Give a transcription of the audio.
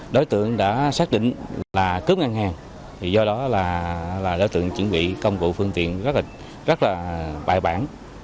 đối tượng đã xác định là cướp ngân hàng do đó là đối tượng chuẩn bị công cụ phương tiện rất là bài bản